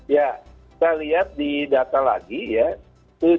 ya kita lihat di data lagi ya